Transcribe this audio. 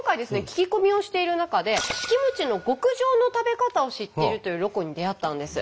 聞き込みをしている中でキムチの極上の食べ方を知っているというロコに出会ったんです。